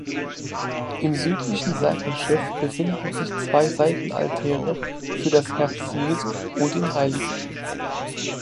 Im südlichen Seitenschiff befinden sich zwei Seitenaltäre für das Herz Jesu und den hl.